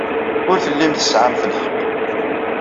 Ur tellimt tesɛamt lḥeqq.